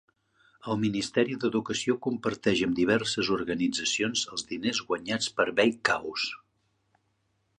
El Ministeri d'Educació comparteix amb diverses organitzacions els diners guanyats per Veikkaus.